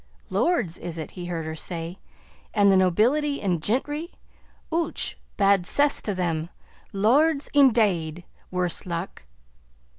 "Lords, is it?" he heard her say. "An' the nobility an' gintry. Och! bad cess to them! Lords, indade worse luck."